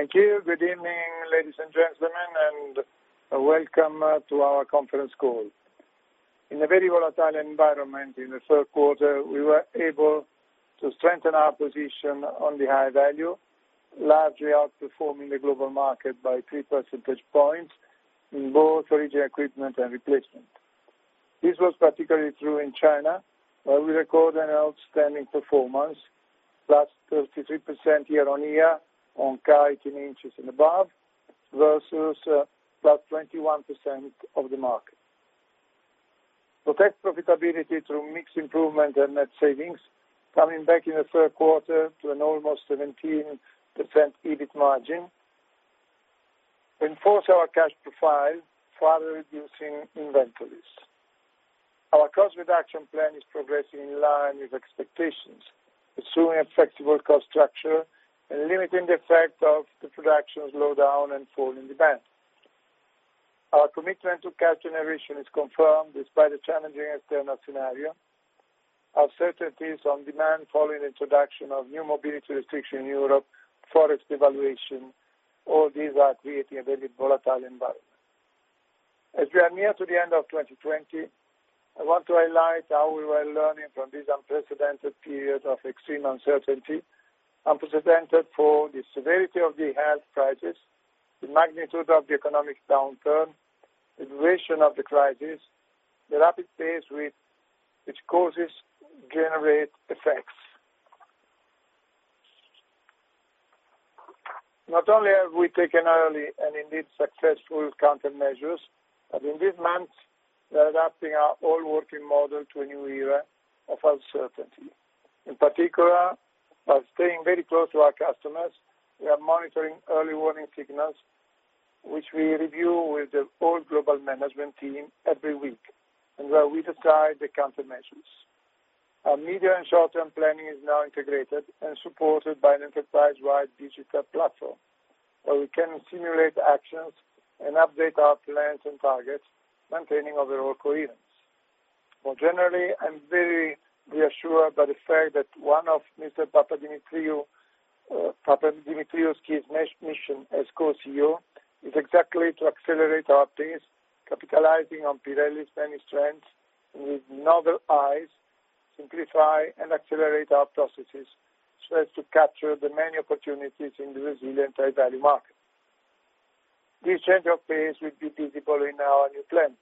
Thank you. Good evening, ladies and gentlemen, and welcome to our conference call. In a very volatile environment in the third quarter, we were able to strengthen our position on the High Value, largely outperforming the global market by 3 percentage points in both Original Equipment and Replacement. This was particularly true in China, where we record an outstanding performance, +33% year-on-year on Car 18 inches and above, versus +21% of the market. Protect profitability through mix improvement and net savings, coming back in the third quarter to an almost 17% EBIT margin. Enforce our cash profile, further reducing inventories. Our cost reduction plan is progressing in line with expectations, pursuing a flexible cost structure and limiting the effect of the production slowdown and fall in demand. Our commitment to cash generation is confirmed despite the challenging external scenario. Uncertainties on demand following the introduction of new mobility restriction in Europe, forex devaluation, all these are creating a very volatile environment. As we are near to the end of 2020, I want to highlight how we were learning from this unprecedented period of extreme uncertainty, unprecedented for the severity of the health crisis, the magnitude of the economic downturn, the duration of the crisis, the rapid pace with which causes generate effects. Not only have we taken early and indeed successful countermeasures, but in these months, we are adapting our whole working model to a new era of uncertainty. In particular, by staying very close to our customers, we are monitoring early warning signals, which we review with the whole global management team every week, and where we decide the countermeasures. Our medium- and short-term planning is now integrated and supported by an enterprise-wide digital platform, where we can simulate actions and update our plans and targets, maintaining overall coherence. More generally, I'm very reassured by the fact that one of Mr. Papadimitriou's key mission as co-CEO is exactly to accelerate our pace, capitalizing on Pirelli's many strengths, and with novel eyes, simplify and accelerate our processes so as to capture the many opportunities in the resilient high-value market. This change of pace will be visible in our new plan.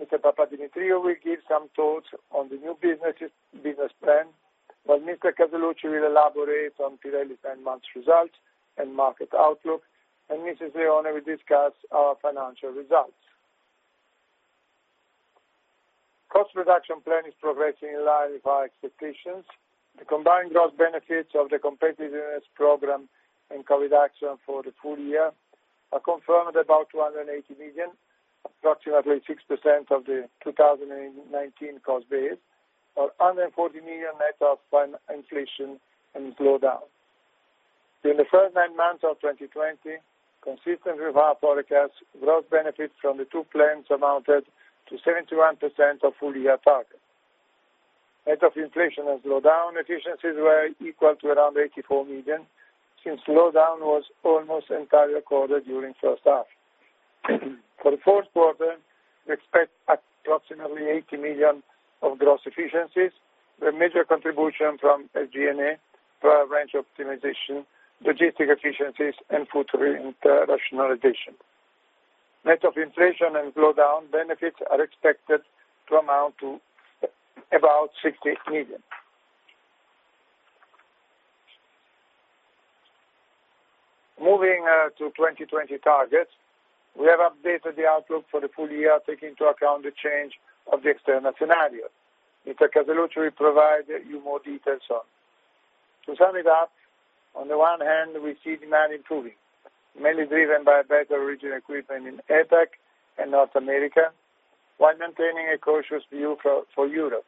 Mr. Papadimitriou will give some thoughts on the new businesses, business plan, while Mr. Casaluci will elaborate on Pirelli's 9-month results and market outlook, and Mrs. Leone will discuss our financial results. Cost reduction plan is progressing in line with our expectations. The combined gross benefits of the competitiveness program and COVID action for the full year are confirmed at about 280 million, approximately 6% of the 2019 cost base, or 140 million net of inflation and slowdown. During the first 9 months of 2020, consistent with our forecast, gross benefit from the two plans amounted to 71% of full year target. Net of inflation and slowdown, efficiencies were equal to around 84 million, since slowdown was almost entirely recorded during first half. For the fourth quarter, we expect approximately 80 million of gross efficiencies, with major contribution from SG&A, product range optimization, logistic efficiencies, and footprint rationalization. Net of inflation and slowdown, benefits are expected to amount to about 60 million. Moving to 2020 targets, we have updated the outlook for the full year, taking into account the change of the external scenario. Mr. Casaluci will provide you more details on. To sum it up, on the one hand, we see demand improving, mainly driven by better Original Equipment in APAC and North America, while maintaining a cautious view for Europe,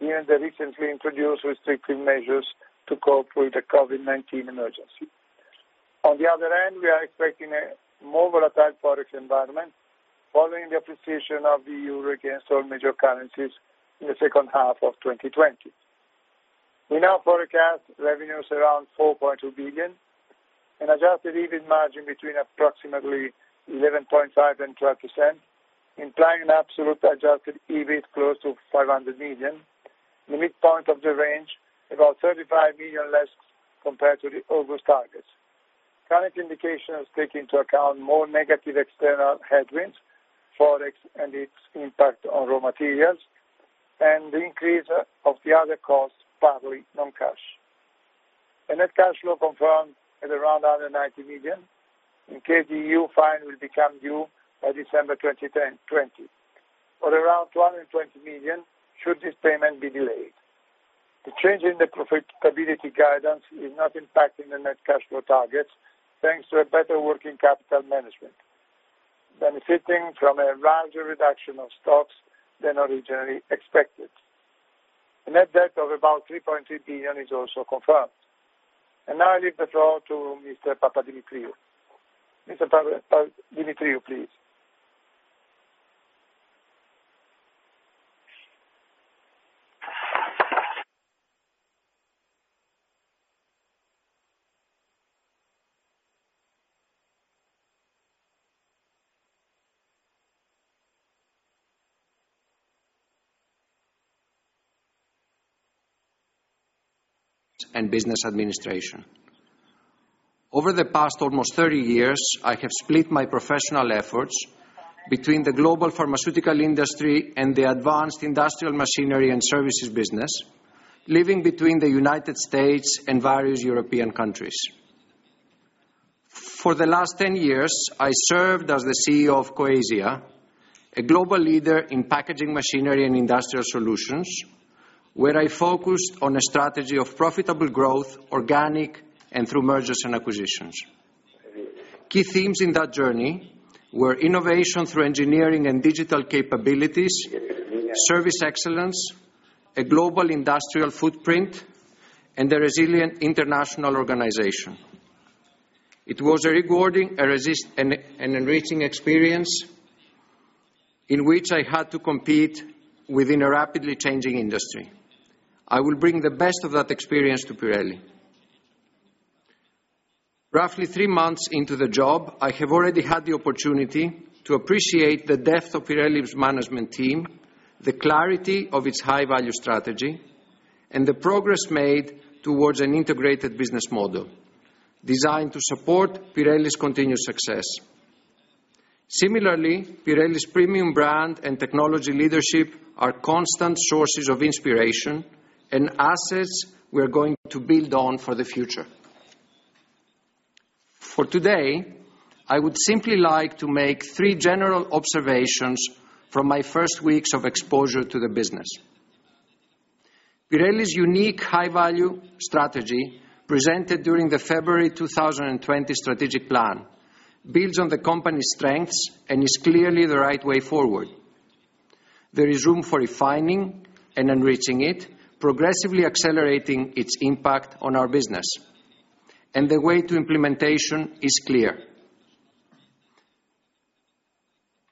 given the recently introduced restrictive measures to cope with the COVID-19 emergency. On the other hand, we are expecting a more volatile product environment following the appreciation of the euro against all major currencies in the second half of 2020. We now forecast revenues around 4.2 billion, and adjusted EBIT margin between approximately 11.5% and 12%, implying an absolute adjusted EBIT close to 500 million. The midpoint of the range, about 35 million less compared to the August targets. Current indications take into account more negative external headwinds, Forex and its impact on raw materials, and the increase of the other costs, partly non-cash. Net cash flow confirmed at around 190 million, in case the EU fine will become due by December 2010, 2020, or around 220 million, should this payment be delayed. The change in the profitability guidance is not impacting the net cash flow targets, thanks to a better working capital management, benefiting from a larger reduction of stocks than originally expected. A net debt of about 3.3 billion is also confirmed. Now I leave the floor to Mr. Papadimitriou. Mr. Papadimitriou, please? ... and business administration. Over the past almost 30 years, I have split my professional efforts between the global pharmaceutical industry and the advanced industrial machinery and services business, living between the United States and various European countries. For the last 10 years, I served as the CEO of Coesia, a global leader in packaging machinery and industrial solutions, where I focused on a strategy of profitable growth, organic, and through mergers and acquisitions. Key themes in that journey were innovation through engineering and digital capabilities, service excellence, a global industrial footprint, and a resilient international organization. It was a rewarding, resilient, and enriching experience in which I had to compete within a rapidly changing industry. I will bring the best of that experience to Pirelli. Roughly three months into the job, I have already had the opportunity to appreciate the depth of Pirelli's management team, the clarity of its high-value strategy, and the progress made towards an integrated business model designed to support Pirelli's continued success. Similarly, Pirelli's premium brand and technology leadership are constant sources of inspiration and assets we are going to build on for the future. For today, I would simply like to make three general observations from my first weeks of exposure to the business. Pirelli's unique high-value strategy, presented during the February 2020 strategic plan, builds on the company's strengths and is clearly the right way forward. There is room for refining and enriching it, progressively accelerating its impact on our business, and the way to implementation is clear.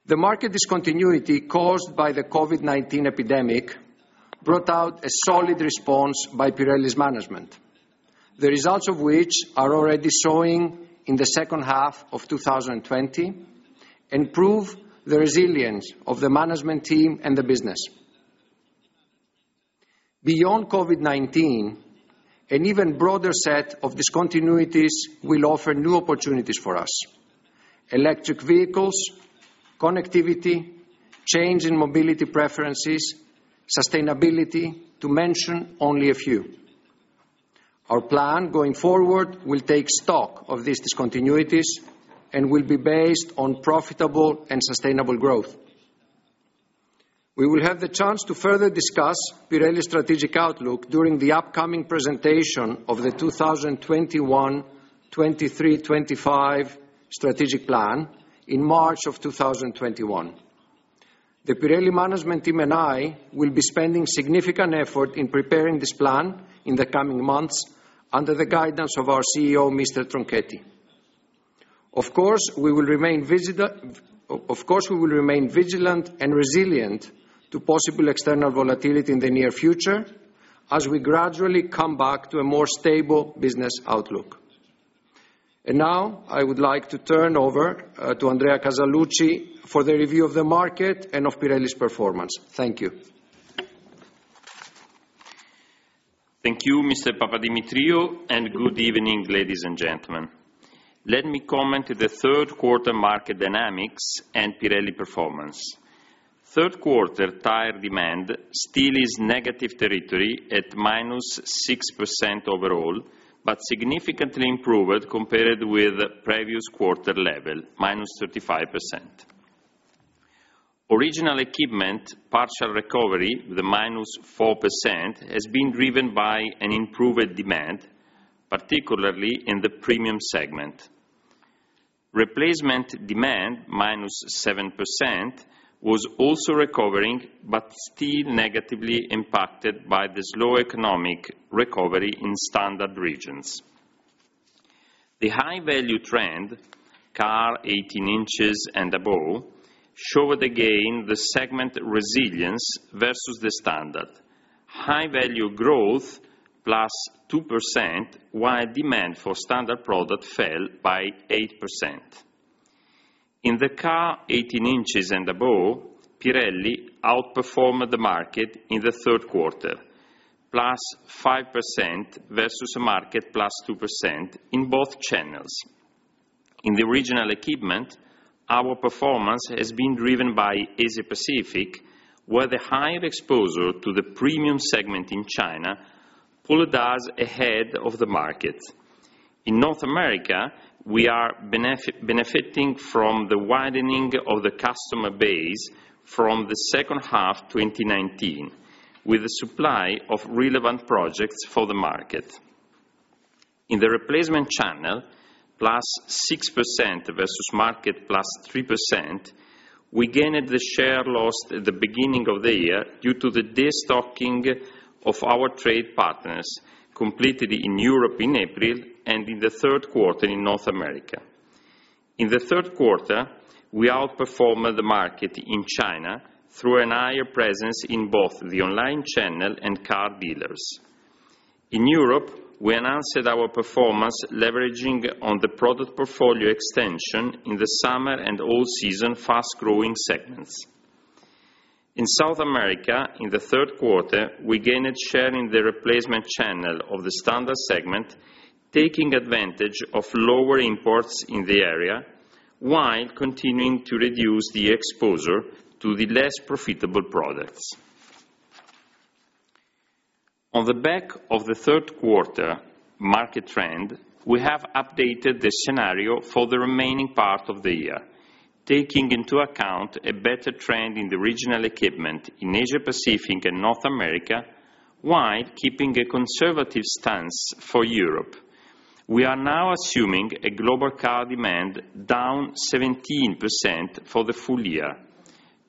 The market discontinuity caused by the COVID-19 epidemic brought out a solid response by Pirelli's management, the results of which are already showing in the second half of 2020 and prove the resilience of the management team and the business. Beyond COVID-19, an even broader set of discontinuities will offer new opportunities for us: electric vehicles, connectivity, change in mobility preferences, sustainability, to mention only a few. Our plan going forward will take stock of these discontinuities and will be based on profitable and sustainable growth. We will have the chance to further discuss Pirelli's strategic outlook during the upcoming presentation of the 2021, 2023/2025 strategic plan in March of 2021. The Pirelli management team and I will be spending significant effort in preparing this plan in the coming months under the guidance of our CEO, Mr. Tronchetti. Of course, we will remain vigilant and resilient to possible external volatility in the near future as we gradually come back to a more stable business outlook. And now, I would like to turn over to Andrea Casaluci for the review of the market and of Pirelli's performance. Thank you. Thank you, Mr. Papadimitriou, and good evening, ladies and gentlemen. Let me comment to the third quarter market dynamics and Pirelli performance. Third quarter tire demand still is negative territory at -6% overall, but significantly improved compared with the previous quarter level, -35%. Original equipment, partial recovery, the -4%, has been driven by an improved demand, particularly in the premium segment. Replacement demand, -7%, was also recovering, but still negatively impacted by the slow economic recovery in Standard regions. The High Value trend, Car 18 inches and above, showed again the segment resilience versus the Standard. High Value growth, +2%, while demand for Standard product fell by 8%. In the Car 18 inches and above, Pirelli outperformed the market in the third quarter, +5% versus a market +2% in both channels. In the Original Equipment, our performance has been driven by Asia Pacific, where the high exposure to the premium segment in China pulled us ahead of the market. In North America, we are benefiting from the widening of the customer base from the second half 2019, with the supply of relevant projects for the market. In the Replacement channel, +6% versus market +3%, we gained the share lost at the beginning of the year due to the destocking of our trade partners, completely in Europe in April and in the third quarter in North America. In the third quarter, we outperformed the market in China through a higher presence in both the online channel and Car dealers. In Europe, we enhanced our performance, leveraging on the product portfolio extension in the summer and all-season fast-growing segments. In South America, in the third quarter, we gained share in the Replacement channel of the Standard segment, taking advantage of lower imports in the area, while continuing to reduce the exposure to the less profitable products. On the back of the third quarter market trend, we have updated the scenario for the remaining part of the year, taking into account a better trend in the Original Equipment in Asia Pacific and North America, while keeping a conservative stance for Europe. We are now assuming a global Car demand down 17% for the full year,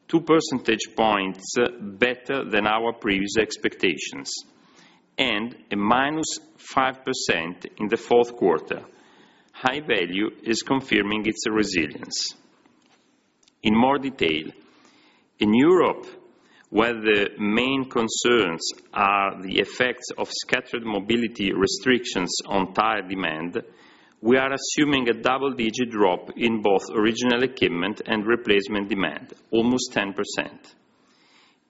two percentage points better than our previous expectations, and a -5% in the fourth quarter. High Value is confirming its resilience. In more detail, in Europe, where the main concerns are the effects of scattered mobility restrictions on tire demand, we are assuming a double-digit drop in both Original Equipment and Replacement demand, almost 10%.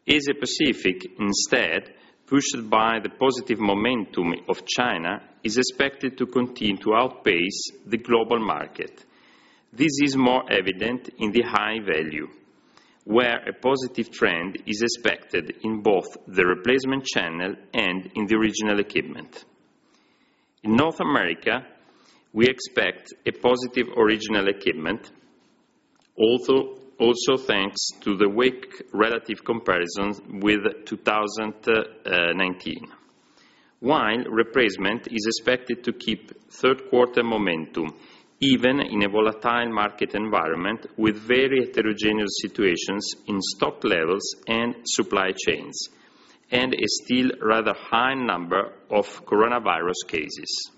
Asia Pacific, instead, pushed by the positive momentum of China, is expected to continue to outpace the global market. This is more evident in the High Value, where a positive trend is expected in both the Replacement channel and in the Original Equipment. In North America, we expect a positive Original Equipment, although, also thanks to the weak relative comparisons with 2019, while Replacement is expected to keep third quarter momentum, even in a volatile market environment with very heterogeneous situations in stock levels and supply chains, and a still rather high number of coronavirus cases.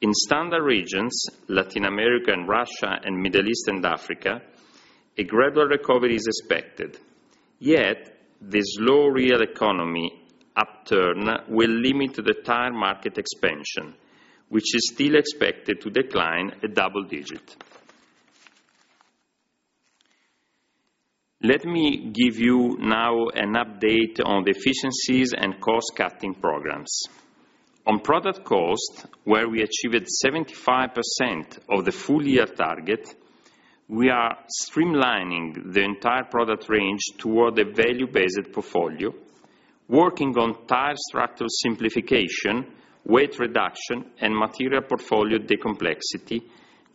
In Standard regions, Latin America, Russia, Middle East, and Africa, a gradual recovery is expected, yet the slow real economy upturn will limit the tire market expansion, which is still expected to decline a double-digit. Let me give you now an update on the efficiencies and cost-cutting programs. On product cost, where we achieved 75% of the full year target, we are streamlining the entire product range toward a value-based portfolio, working on tire structure simplification, weight reduction, and material portfolio decomplexity,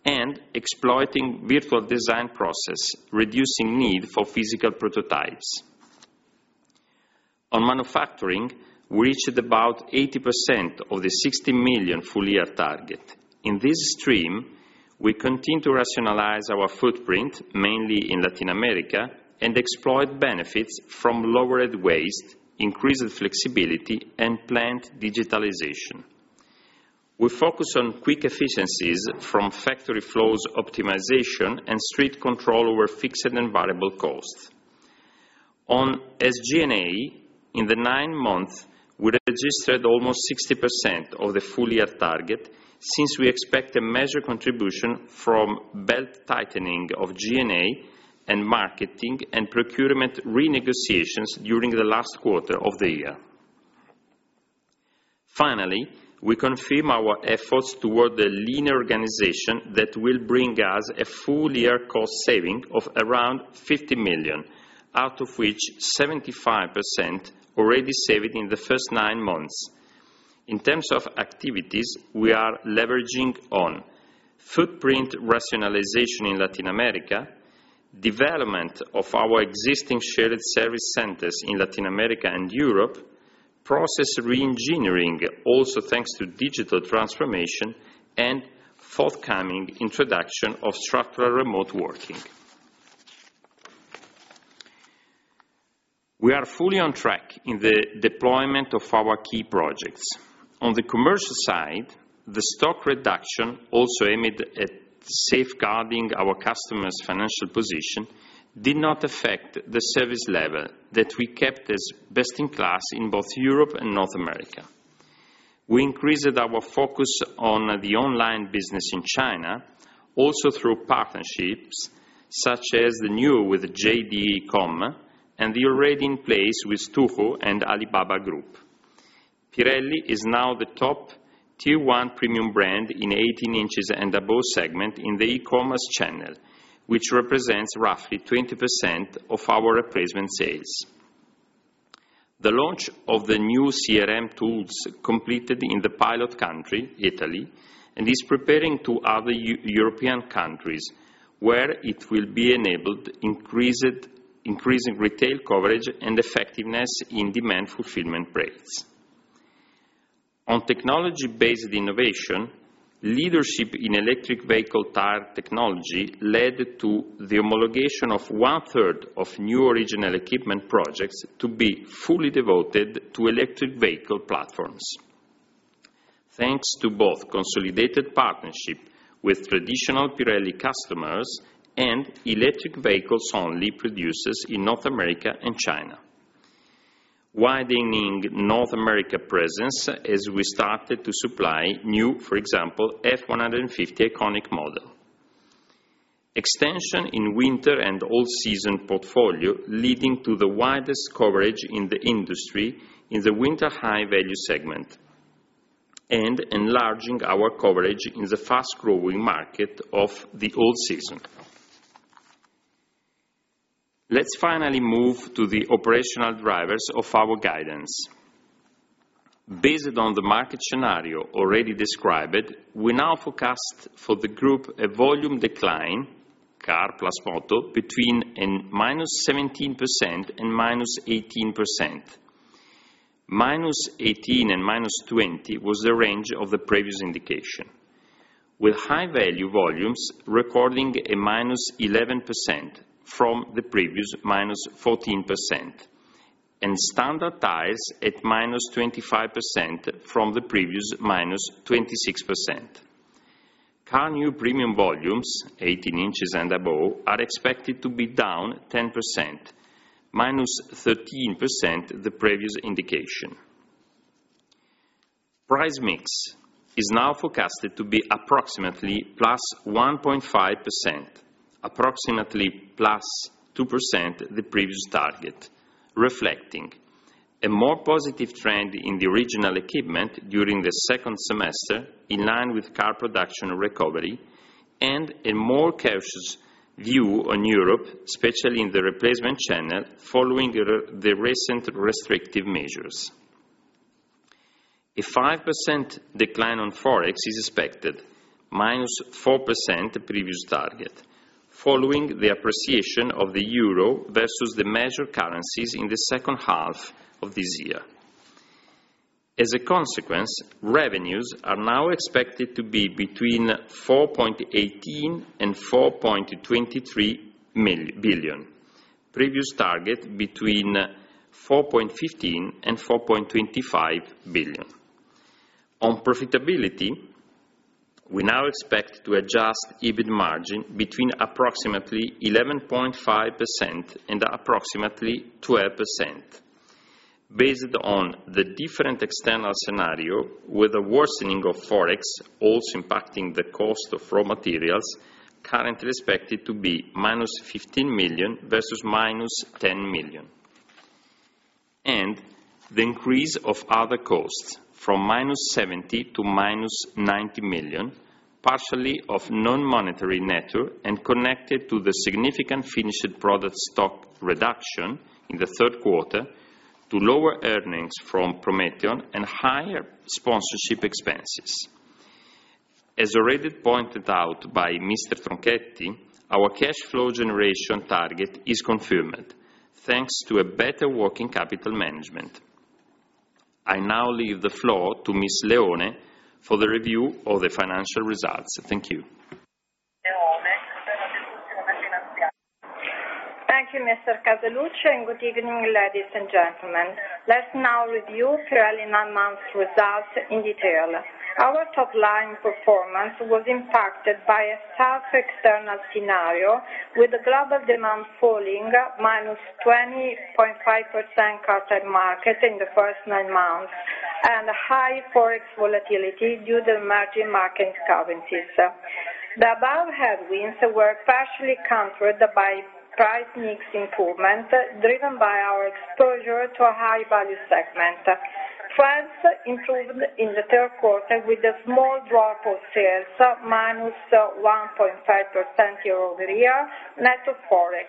and exploiting virtual design process, reducing need for physical prototypes. On manufacturing, we reached about 80% of the 60 million full year target. In this stream, we continue to rationalize our footprint, mainly in Latin America, and exploit benefits from lowered waste, increased flexibility, and plant digitalization. We focus on quick efficiencies from factory flows optimization and strict control over fixed and variable costs. On SG&A, in the nine months, we registered almost 60% of the full year target, since we expect a major contribution from belt-tightening of G&A and marketing and procurement renegotiations during the last quarter of the year. Finally, we confirm our efforts toward a lean organization that will bring us a full year cost saving of around 50 million, out of which 75% already saved in the first nine months. In terms of activities, we are leveraging on footprint rationalization in Latin America, development of our existing shared service centers in Latin America and Europe, process reengineering, also thanks to digital transformation and forthcoming introduction of structural remote working. We are fully on track in the deployment of our key projects. On the commercial side, the stock reduction, also aimed at safeguarding our customers' financial position, did not affect the service level that we kept as best-in-class in both Europe and North America. We increased our focus on the online business in China, also through partnerships such as the new partnership with JD.com and the already in place with Tuhu and Alibaba Group. Pirelli is now the top tier one premium brand in 18 inches and above segment in the e-commerce channel, which represents roughly 20% of our Replacement sales. The launch of the new CRM tools completed in the pilot country, Italy, and is preparing to other European countries, where it will be enabled increased, increasing retail coverage and effectiveness in demand fulfillment rates. On technology-based innovation, leadership in electric vehicle tire technology led to the homologation of one third of new Original Equipment projects to be fully devoted to electric vehicle platforms. Thanks to both consolidated partnership with traditional Pirelli customers and electric vehicles only producers in North America and China. Widening North America presence as we started to supply new, for example, F-150 iconic model. Extension in winter and all-season portfolio, leading to the widest coverage in the industry in the winter High Value segment, and enlarging our coverage in the fast-growing market of the all-season. Let's finally move to the operational drivers of our guidance. Based on the market scenario already described, we now forecast for the group a volume decline, Car plus Moto, between -17% and -18%. -18 and -20 was the range of the previous indication, with High Value volumes recording a -11% from the previous -14%, and Standard tires at -25% from the previous -26%. Car New Premium volumes, 18 inches and above, are expected to be down 10%, -13%, the previous indication. price mix is now forecasted to be approximately +1.5%, approximately +2% the previous target, reflecting a more positive trend in the Original Equipment during the second semester, in line with Car production recovery, and a more cautious view on Europe, especially in the Replacement channel, following the recent restrictive measures. A 5% decline on Forex is expected, -4% previous target, following the appreciation of the euro versus the major currencies in the second half of this year. As a consequence, revenues are now expected to be between 4.18 billion and 4.23 billion. Previous target, between 4.15 billion and 4.25 billion. On profitability, we now expect Adjusted EBIT margin between approximately 11.5% and approximately 12%, based on the different external scenario, with a worsening of Forex also impacting the cost of raw materials, currently expected to be -15 million versus -10 million. The increase of other costs from -70 million to -90 million, partially of non-monetary nature and connected to the significant finished product stock reduction in the third quarter to lower earnings from Prometeon and higher sponsorship expenses. As already pointed out by Mr. Tronchetti, our cash flow generation target is confirmed, thanks to a better working capital management. I now leave the floor to Ms. Leone for the review of the financial results. Thank you. Thank you, Mr. Casaluci, and good evening, ladies and gentlemen. Let's now review Pirelli 9 months results in detail. Our top line performance was impacted by a tough external scenario, with the global demand falling -20.5% Car target market in the first 9 months, and high Forex volatility due to emerging market currencies. The above headwinds were partially countered by price mix improvement, driven by our exposure to a high-value segment. Sales improved in the third quarter with a small drop of sales, -1.5% year-over-year, net of Forex.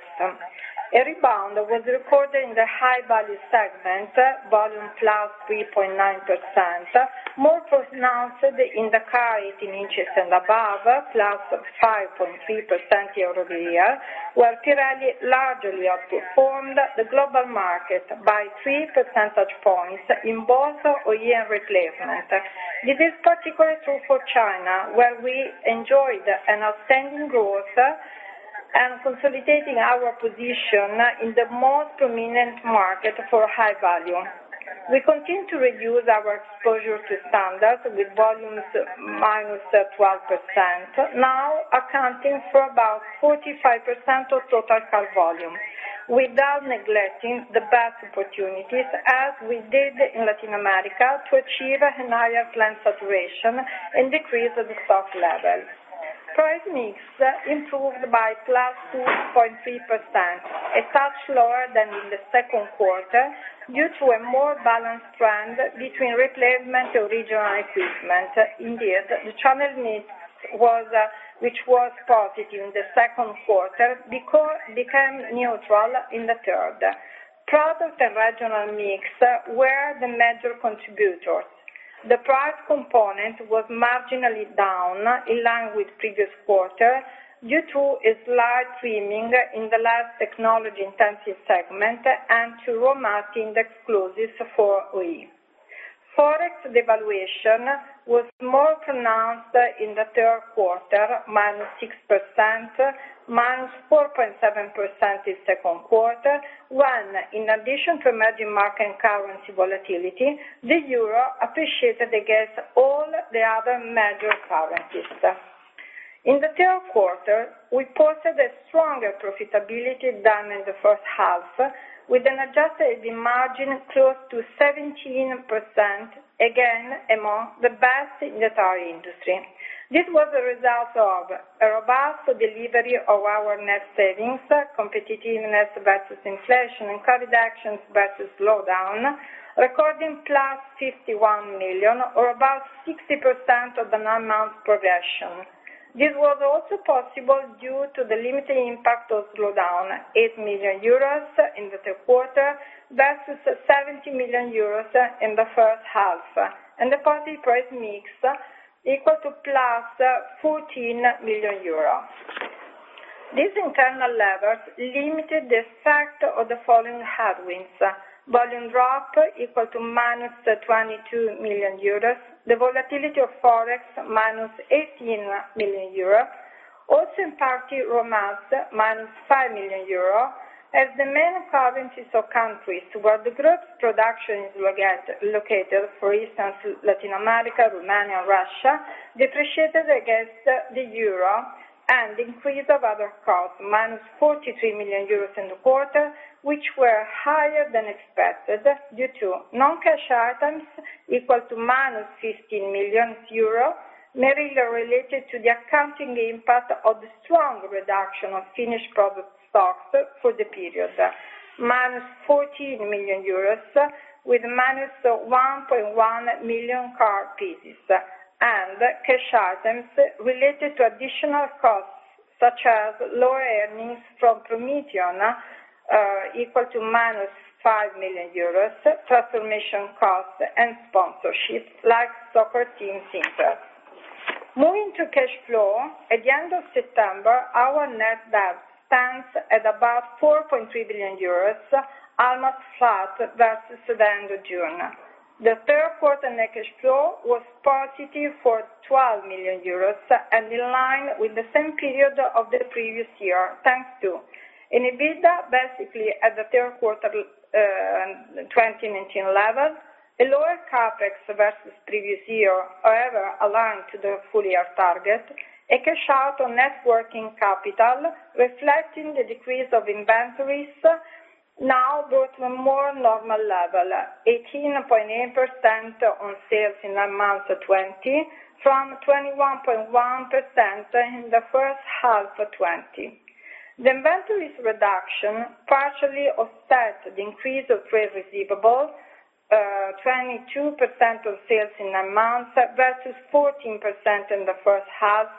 A rebound was recorded in the high-value segment, volume +3.9%, more pronounced in the Car, 18 inches and above, +5.3% year-over-year, while Pirelli largely outperformed the global market by 3 percentage points in both OE and Replacement. This is particularly true for China, where we enjoyed an outstanding growth and consolidating our position in the most prominent market for High Value. We continue to reduce our exposure to Standard, with volumes -12%, now accounting for about 45% of total Car volume, without neglecting the best opportunities, as we did in Latin America, to achieve a higher plant saturation and decrease the stock level. price mix improved by +2.3%, a touch lower than in the second quarter, due to a more balanced trend between Replacement, Original Equipment. Indeed, the channel mix was, which was positive in the second quarter, became neutral in the third. Product and regional mix were the major contributors. The price component was marginally down, in line with previous quarter, due to a slight trimming in the less technology intensive segment and to raw material index clauses for OE. Forex devaluation was more pronounced in the third quarter, -6%, -4.7% in second quarter, when, in addition to emerging market and currency volatility, the euro appreciated against all the other major currencies. In the third quarter, we posted a stronger profitability than in the first half, with an adjusted margin close to 17%, again, among the best in the tire industry. This was a result of a robust delivery of our net savings, competitiveness versus inflation, and cost reductions versus slowdown, recording +51 million, or about 60% of the nine months progression. This was also possible due to the limited impact of slowdown, 8 million euros in the third quarter versus 70 million euros in the first half, and the positive price mix equal to +14 million euro. These internal levers limited the effect of the following headwinds: volume drop equal to -22 million euros, the volatility of Forex, -18 million euros, also in part raw materials, -5 million euros, as the main plants or countries where the group's production is located, for instance, Latin America, Romania, and Russia, depreciated against the euro, and increase of other costs, -43 million euros in the quarter, which were higher than expected, due to non-cash items equal to -15 million euro, mainly related to the accounting impact of the strong reduction of finished product stocks for the period, -14 million euros with -1.1 million Car pieces. And cash items related to additional costs, such as lower earnings from Prometeon, equal to -5 million euros, transformation costs and sponsorships, like soccer team Inter. Moving to cash flow, at the end of September, our net debt stands at about 4.3 billion euros, almost flat versus the end of June. The third quarter net cash flow was positive for 12 million euros and in line with the same period of the previous year, thanks to an EBITDA, basically, at the third quarter, twenty nineteen level, a lower CapEx versus previous year, however, aligned to the full-year target, a cash out on net working capital, reflecting the decrease of inventories now go to a more normal level, 18.8% on sales in nine months of 2020, from 21.1% in the first half of 2020. The inventories reduction partially offset the increase of trade receivables, 22% of sales in nine months versus 14% in the first half,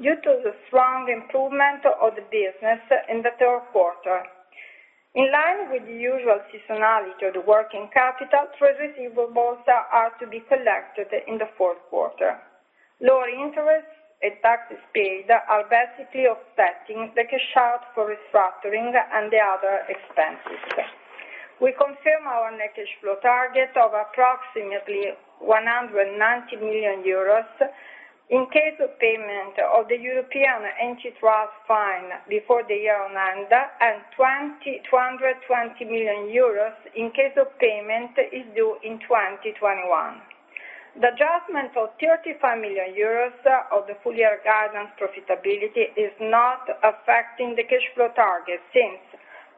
due to the strong improvement of the business in the third quarter. In line with the usual seasonality of the working capital, trade receivables are to be collected in the fourth quarter. Lower interests and taxes paid are basically offsetting the cash out for restructuring and the other expenses. We confirm our net cash flow target of approximately 190 million euros, in case of payment of the European antitrust fine before the year-end, and 220 million euros in case of payment is due in 2021. The adjustment of 35 million euros of the full-year guidance profitability is not affecting the cash flow target, since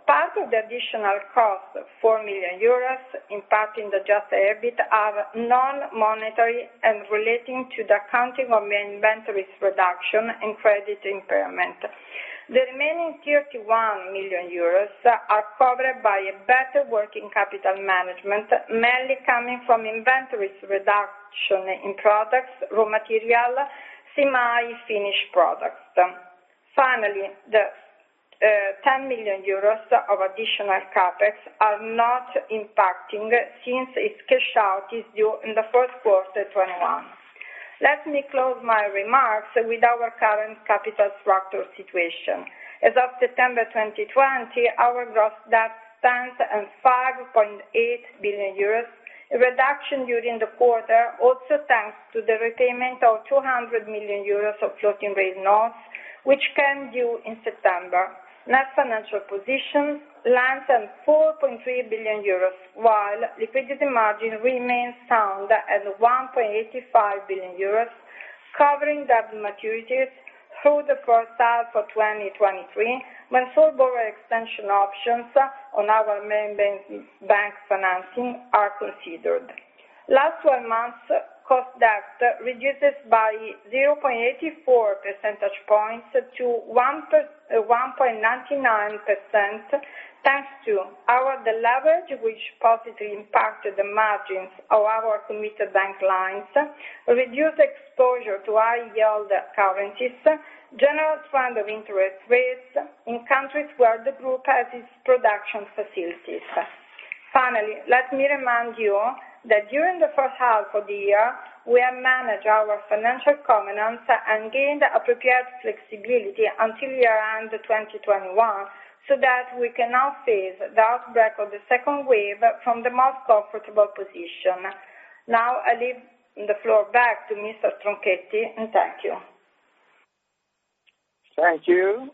part of the additional cost, 4 million euros, impacting the Adjusted EBIT, are non-monetary and relating to the accounting of the inventories reduction and credit impairment. The remaining 31 million euros are covered by a better working capital management, mainly coming from inventories reduction in products, raw material, semi-finished products. Finally, the ten million euros of additional CapEx are not impacting, since its cash out is due in the first quarter 2021. Let me close my remarks with our current capital structure situation. As of September 2020, our gross debt stands at 5.8 billion euros, a reduction during the quarter, also thanks to the repayment of 200 million euros of floating rate notes, which came due in September. Net financial position lands at 4.3 billion euros, while liquidity margin remains sound at 1.85 billion euros, covering debt maturities through the first half of 2023, when full borrower extension options on our main bank financing are considered. Last 12 months, cost of debt reduces by 0.84 percentage points to 1.99%, thanks to our deleverage, which positively impacted the margins of our committed bank lines, reduced exposure to high-yield currencies, general trend of interest rates in countries where the group has its production facilities. Finally, let me remind you that during the first half of the year, we have managed our financial covenants and gained appropriate flexibility until year-end 2021, so that we can now face the outbreak of the second wave from the most comfortable position. Now, I leave the floor back to Mr. Tronchetti, and thank you. Thank you.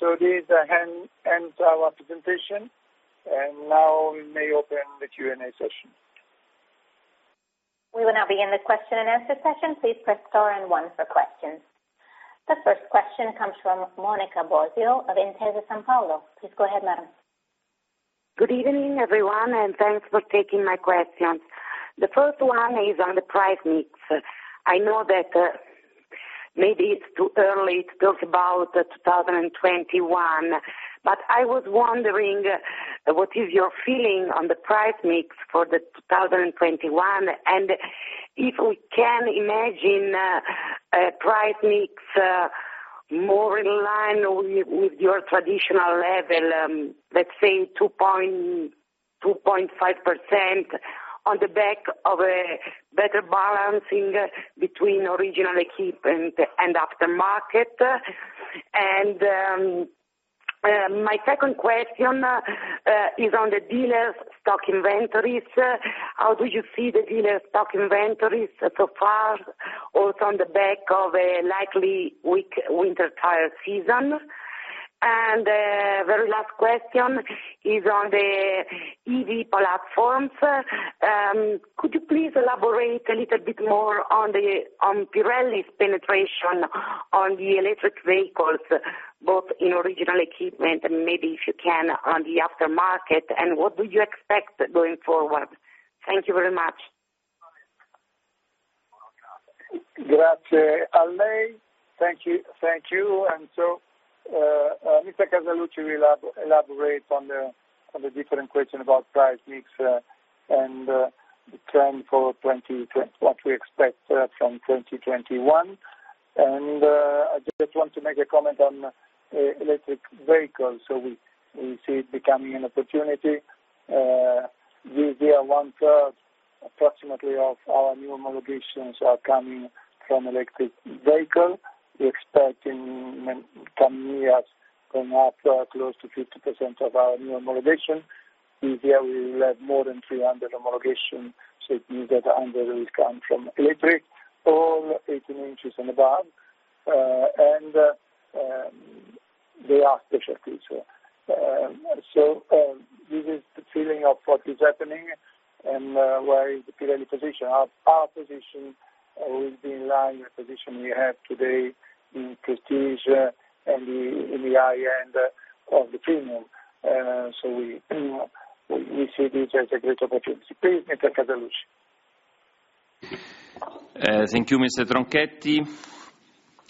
So this ends our presentation, and now we may open the Q&A session. We will now begin the question and answer session. Please press star and one for questions. The first question comes from Monica Bosio of Intesa Sanpaolo. Please go ahead, madam. Good evening, everyone, and thanks for taking my questions. The first one is on the price mix. I know that, maybe it's too early to talk about 2021, but I was wondering, what is your feeling on the price mix for the 2021? And if we can imagine, a price mix, more in line with, with your traditional level, let's say 2%-2.5% on the back of a better balancing between Original Equipment and aftermarket. And, my second question, is on the dealer stock inventories. How do you see the dealer stock inventories so far, also on the back of a likely weak winter tire season? And, very last question is on the EV platforms. Could you please elaborate a little bit more on Pirelli's penetration on the electric vehicles, both in Original Equipment, and maybe if you can, on the aftermarket, and what do you expect going forward? Thank you very much. Grazie, Allei. Thank you, thank you. So, Mr. Casaluci will elaborate on the different question about price mix, and the trend for 2021, what we expect from 2021. I just want to make a comment on electric vehicles. So we see it becoming an opportunity. This year, one-third, approximately, of our new homologations are coming from electric vehicle. We expect in coming years, from half, close to 50% of our new homologation. This year, we will have more than 300 homologation, so it means that 100 will come from electric, all 18 inches and above, and they are specialty. So, this is the feeling of what is happening and where is the Pirelli position. Our position will be in line with the position we have today in prestige and in the high end of the premium. So we see this as a great opportunity. Please, Mr. Casaluci. Thank you, Mr. Tronchetti.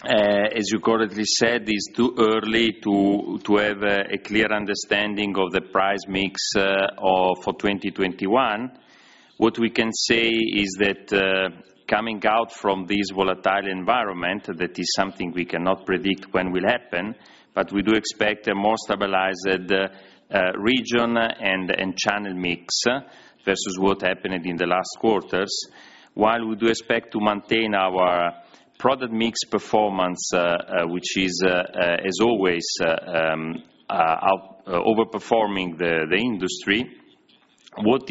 As you correctly said, it's too early to have a clear understanding of the price mix for 2021. What we can say is that, coming out from this volatile environment, that is something we cannot predict when will happen, but we do expect a more stabilized region and channel mix versus what happened in the last quarters. While we do expect to maintain our product mix performance, which is, as always, overperforming the industry, what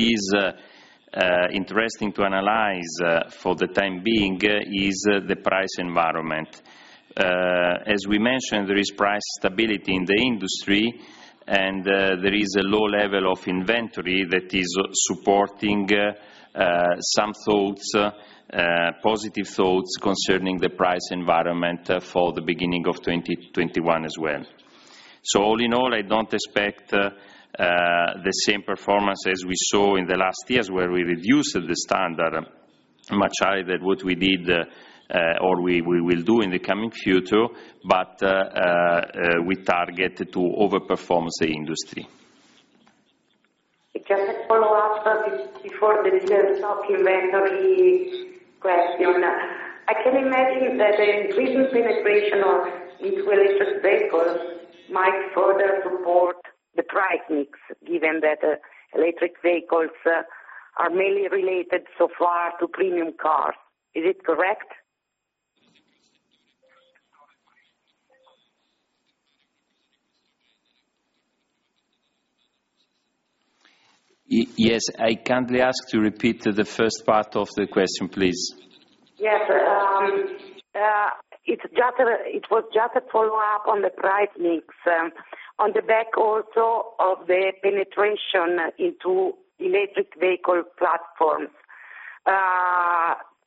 is interesting to analyze for the time being is the price environment. As we mentioned, there is price stability in the industry, and there is a low level of inventory that is supporting some thoughts, positive thoughts concerning the price environment, for the beginning of 2021 as well. So all in all, I don't expect the same performance as we saw in the last years, where we reduced the Standard much higher than what we did, or we, we will do in the coming future, but we target to overperform the industry. Just a follow-up before the dealer stock inventory question. I can imagine that the increased penetration into electric vehicles might further support the price mix, given that electric vehicles are mainly related so far to premium cars. Is it correct? Yes, I kindly ask to repeat the first part of the question, please. Yes, it was just a follow-up on the price mix, on the back also of the penetration into electric vehicle platforms.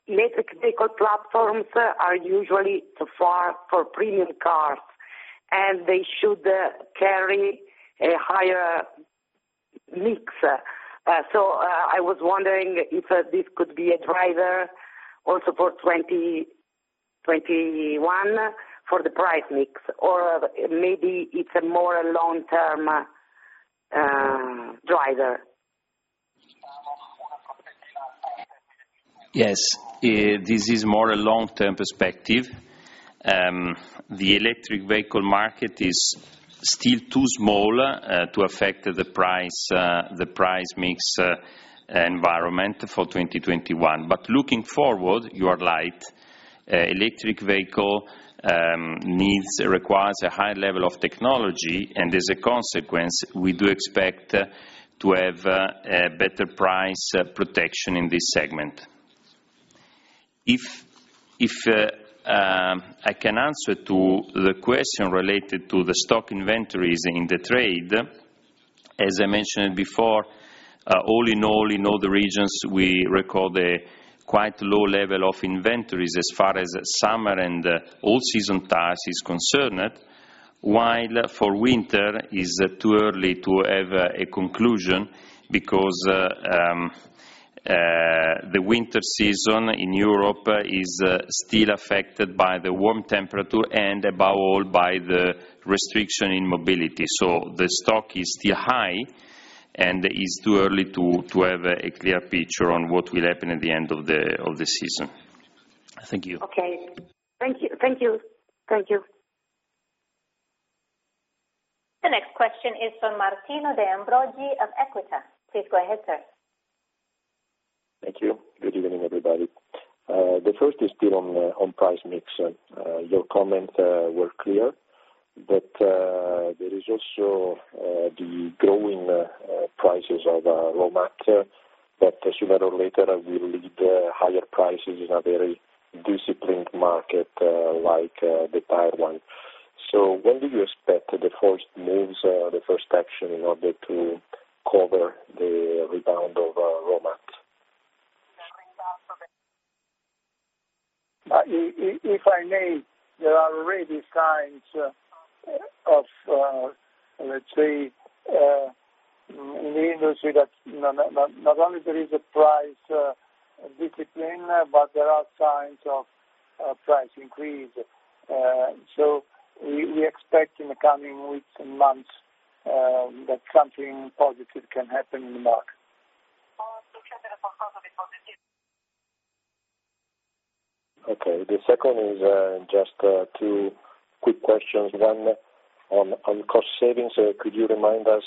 Electric vehicle platforms are usually so far for premium cars, and they should carry a higher mix. So, I was wondering if this could be a driver also for 2021 for the price mix, or maybe it's a more long-term driver? Yes, this is more a long-term perspective. The electric vehicle market is still too small to affect the price, the price mix, environment for 2021. But looking forward, you are right, electric vehicle needs requires a high level of technology, and as a consequence, we do expect to have a better price protection in this segment. I can answer to the question related to the stock inventories in the trade, as I mentioned before, all in all, in all the regions, we record a quite low level of inventories as far as summer and all season tires is concerned. While for winter, is too early to have a conclusion because, the winter season in Europe is still affected by the warm temperature, and above all, by the restriction in mobility. The stock is still high, and it is too early to have a clear picture on what will happen at the end of the season. Thank you. Okay. Thank you, thank you. Thank you. The next question is from Martino De Ambrogi of Equita. Please go ahead, sir. Thank you. Good evening, everybody. The first is still on, on price mix. Your comments were clear, but there is also the growing prices of raw material, that sooner or later will lead higher prices in a very disciplined market, like the tire one. So when do you expect the first moves, the first action in order to cover the rebound of raw mat? If I may, there are already signs, let's say, in the industry that not only there is a price discipline, but there are signs of price increase. So we expect in the coming weeks and months that something positive can happen in the market. Okay, the second is just two quick questions. One, on cost savings, could you remind us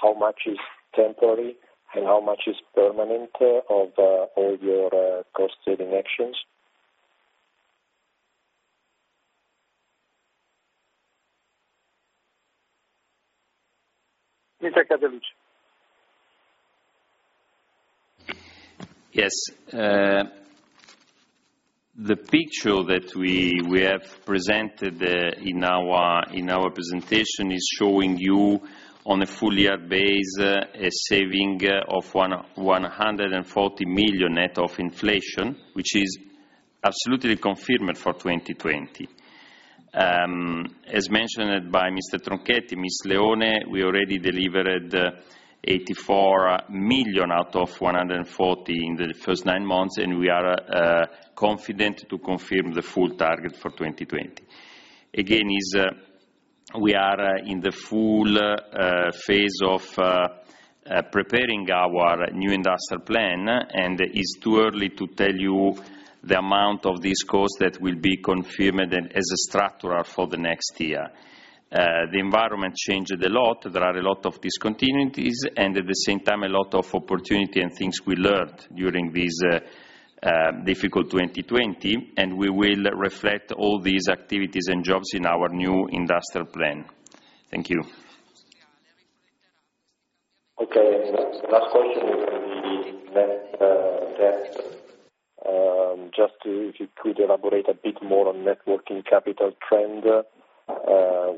how much is temporary and how much is permanent of all your cost saving actions? Mr. Casaluci. Yes, the picture that we have presented in our presentation is showing you on a full year basis a saving of 140 million net of inflation, which is absolutely confirmed for 2020. As mentioned by Mr. Tronchetti, Ms. Leone, we already delivered 84 million out of 140 in the first nine months, and we are confident to confirm the full target for 2020. Again, we are in the full phase of preparing our new industrial plan, and it's too early to tell you the amount of this cost that will be confirmed and as structural for the next year. The environment changed a lot. There are a lot of discontinuities, and at the same time, a lot of opportunity and things we learned during this difficult 2020, and we will reflect all these activities and jobs in our new industrial plan. Thank you. Okay, last question will be net debt. Just to, if you could elaborate a bit more on net working capital trend,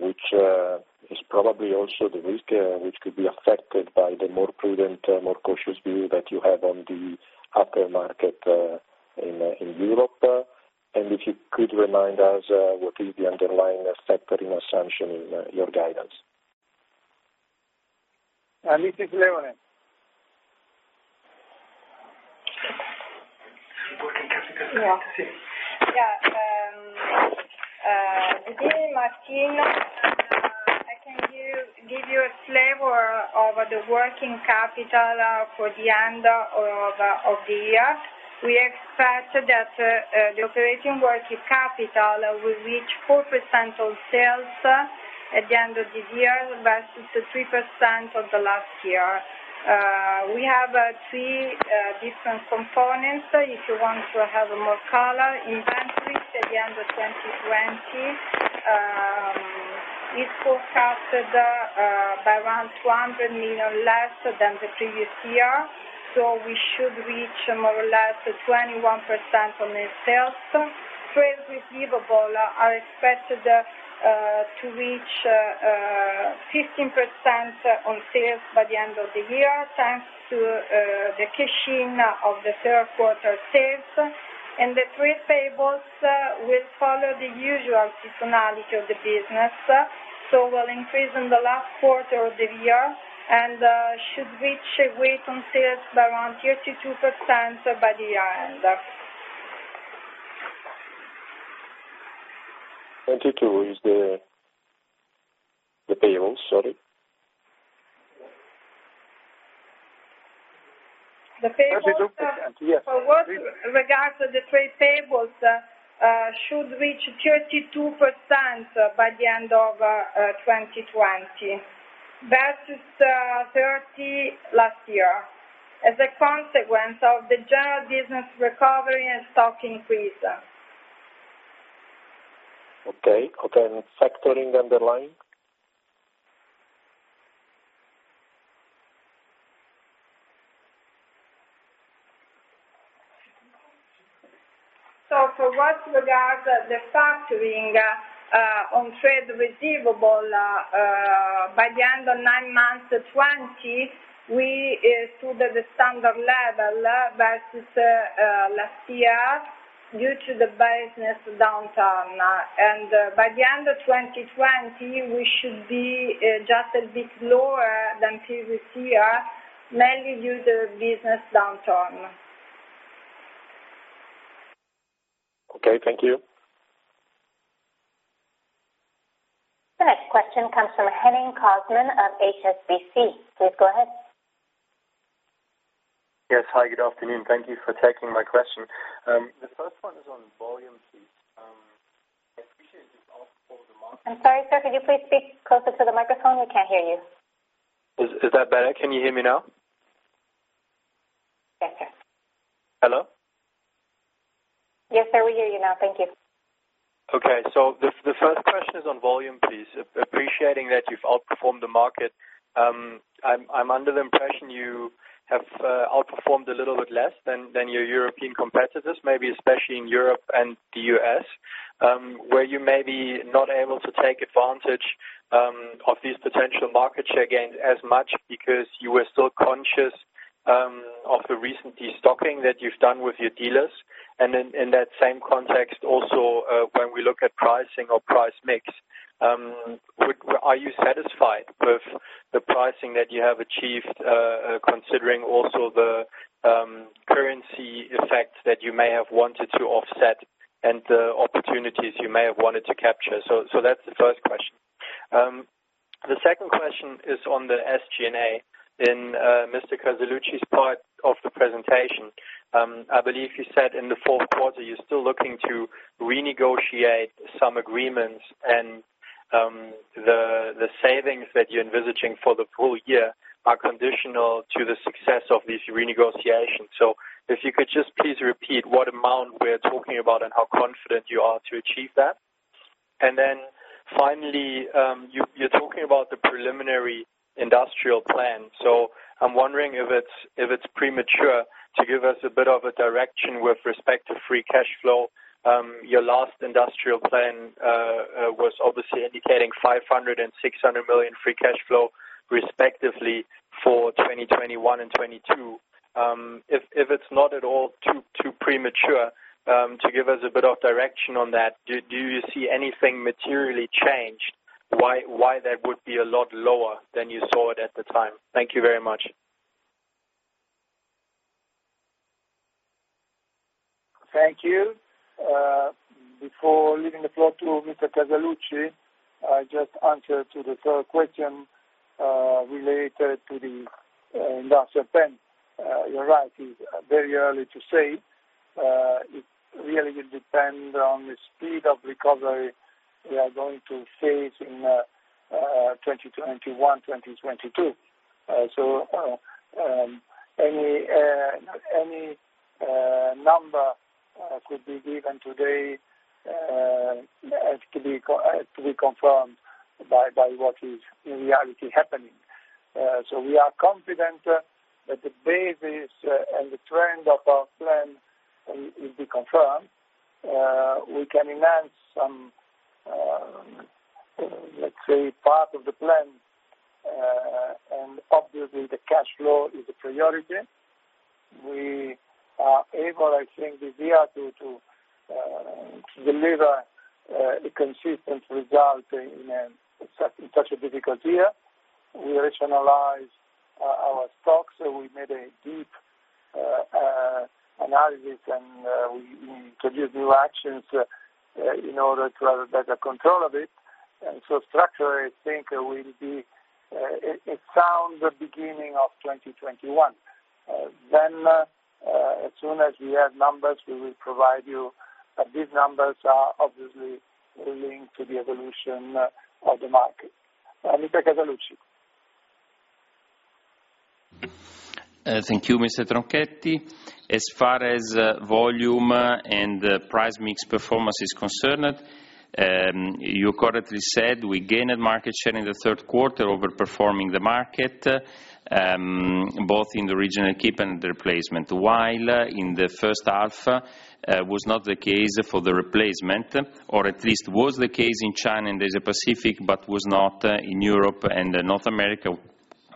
which is probably also the risk, which could be affected by the more prudent, more cautious view that you have on the upper market in Europe. And if you could remind us what is the underlying factor and assumption in your guidance? Mrs. Leone. Working capital. Yeah. Yeah, good day, Martino. I can give you a flavor of the working capital for the end of the year. We expect that the operating working capital will reach 4% of sales at the end of the year, versus the 3% of the last year. We have three different components if you want to have more color. Inventories at the end of 2020 is forecasted by around 200 million less than the previous year, so we should reach more or less 21% on the sales. Trade receivables are expected to reach 15% on sales by the end of the year, thanks to the cashing of the third quarter sales. The trade payables will follow the usual seasonality of the business, so will increase in the last quarter of the year, and should reach weight on sales by around 32% by the year end. 22 is the payables? Sorry. The payables- Yes. For what regards the trade payables, should reach 32%, by the end of 2020, versus 30 last year, as a consequence of the general business recovery and stock increase. Okay. Okay, and factoring underlying? So for what regards the factoring on trade receivable, by the end of nine months to 2020, we stood at the Standard level versus last year due to the business downturn. By the end of 2020, we should be just a bit lower than previous year, mainly due to business downturn. Okay, thank you. The next question comes from Henning Cosman of HSBC. Please go ahead. Yes. Hi, good afternoon. Thank you for taking my question. The first one is on volume, please. I appreciate this out for the market. I'm sorry, sir, could you please speak closer to the microphone? We can't hear you. Is that better? Can you hear me now? Yes, sir. Hello? Yes, sir, we hear you now. Thank you. Okay. So the first question is on volume, please. Appreciating that you've outperformed the market, I'm under the impression you have outperformed a little bit less than your European competitors, maybe especially in Europe and the U.S., where you may be not able to take advantage of these potential market share gains as much because you were still conscious of the recent destocking that you've done with your dealers. And then in that same context, also, when we look at pricing or price mix, are you satisfied with the pricing that you have achieved, considering also the currency effect that you may have wanted to offset and the opportunities you may have wanted to capture? So that's the first question. The second question is on the SG&A in, Mr. Casaluci's part of the presentation. I believe you said in the fourth quarter, you're still looking to renegotiate some agreements, and, the savings that you're envisaging for the full year are conditional to the success of these renegotiations. So if you could just please repeat what amount we're talking about and how confident you are to achieve that? And then finally, you, you're talking about the preliminary industrial plan, so I'm wondering if it's premature to give us a bit of a direction with respect to free cash flow. Your last industrial plan was obviously indicating 500 million and 600 million free cash flow, respectively, for 2021 and 2022. If it's not at all too premature to give us a bit of direction on that, do you see anything materially changed, why that would be a lot lower than you saw it at the time? Thank you very much. Thank you. Before leaving the floor to Mr. Casaluci, I just answer to the third question, related to the industrial plan. You're right, it's very early to say. It really will depend on the speed of recovery we are going to face in 2021, 2022. So, any number could be given today has to be confirmed by what is in reality happening. So we are confident that the basis and the trend of our plan will be confirmed. We can enhance some, let's say, part of the plan, and obviously the cash flow is a priority. We are able, I think, this year to deliver a consistent result in such a difficult year. We rationalize our stocks, we made a deep analysis, and we introduced new actions in order to have a better control of it. And so structurally, I think we'll be a sound beginning of 2021. Then, as soon as we have numbers, we will provide you, but these numbers are obviously linked to the evolution of the market. Mr. Casaluci. Thank you, Mr. Tronchetti. As far as volume and price mix performance is concerned, you correctly said we gained market share in the third quarter, overperforming the market, both in the Original Equipment and the Replacement. While in the first half, was not the case for the Replacement, or at least was the case in China and the Asia Pacific, but was not in Europe and North America,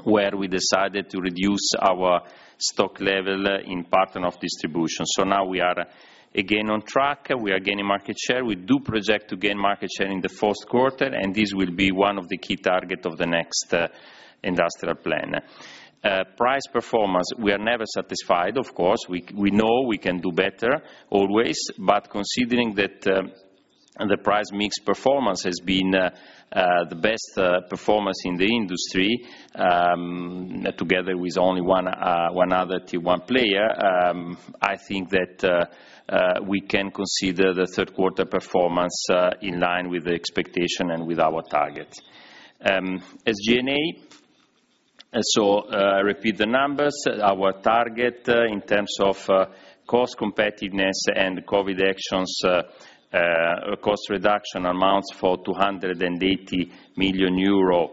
where we decided to reduce our stock level in the distribution network. So now we are again on track, we are gaining market share. We do project to gain market share in the fourth quarter, and this will be one of the key target of the next industrial plan. Price performance, we are never satisfied, of course. We know we can do better always, but considering that, the price mix performance has been the best performance in the industry, together with only one other tier one player, I think that we can consider the third quarter performance in line with the expectation and with our target. SG&A, so I repeat the numbers, our target in terms of cost competitiveness and COVID actions, cost reduction amounts for 280 million euro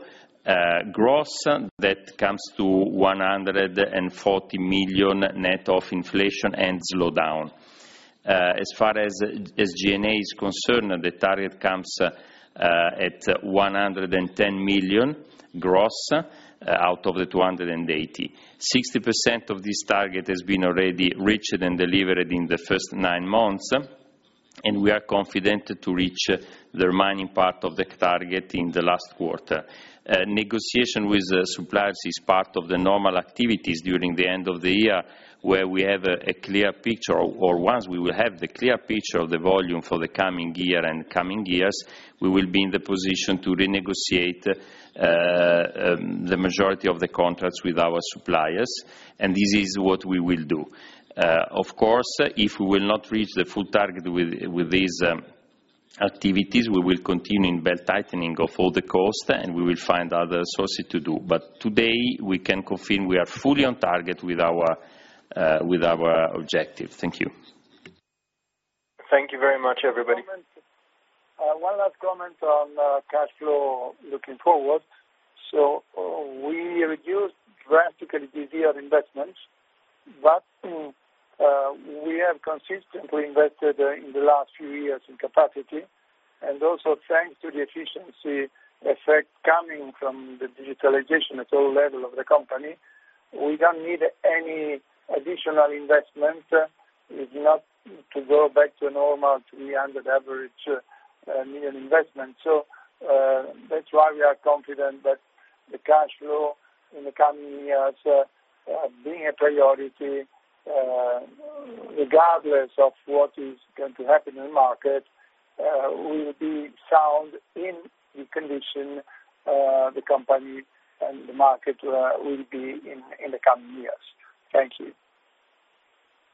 gross. That comes to 140 million net of inflation and slowdown. As far as SG&A is concerned, the target comes at 110 million gross out of the 280. 60% of this target has been already reached and delivered in the first nine months, and we are confident to reach the remaining part of the target in the last quarter. Negotiation with the suppliers is part of the normal activities during the end of the year, where we have a clear picture, or once we will have the clear picture of the volume for the coming year and coming years, we will be in the position to renegotiate the majority of the contracts with our suppliers, and this is what we will do. Of course, if we will not reach the full target with these activities, we will continue in belt-tightening of all the costs, and we will find other sources to do. But today, we can confirm we are fully on target with our objective. Thank you. Thank you very much, everybody. One last comment on cash flow looking forward. So, we reduced drastically this year investments, but we have consistently invested in the last few years in capacity, and also thanks to the efficiency effect coming from the digitalization at all level of the company, we don't need any additional investment, if not, to go back to normal, average 300 million investment. So, that's why we are confident that the cash flow in the coming years, being a priority, regardless of what is going to happen in the market, will be sound in the condition the company and the market will be in, in the coming years. Thank you.